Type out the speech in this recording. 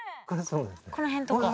この辺とか？